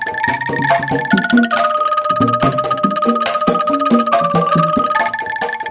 tak ada bagian untuk polos